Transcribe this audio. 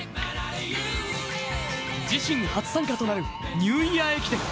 自身初参加となる、ニューイヤー駅伝。